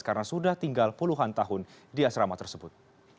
karena sudah tinggal puluhan tahun di asrama tersebut